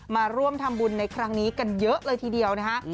มาร่วมทำบุญในครั้งนี้กันเยอะเลยทีเดียวนะคะ